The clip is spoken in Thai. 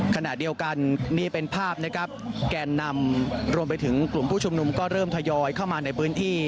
ขณะเดียวกันนี่เป็นภาพนะครับแกนนำรวมไปถึงกลุ่มผู้ชุมนุมก็เริ่มทยอยเข้ามาในพื้นที่